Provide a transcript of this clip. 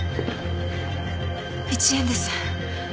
１円です。